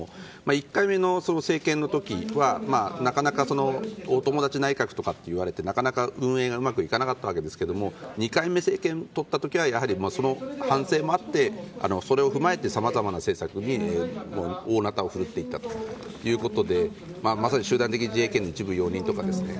１回目の政権の時は、なかなかお友達内閣とかって言われて運営がうまくいかなかったわけですが２回目に政権をとった時にはやはりその反省もあってそれを踏まえてさまざまな政策に大ナタを振るっていたということでまさに集団的自衛権の一部容認とかですね